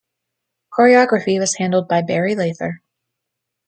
Choreography was handled by Barry Lather.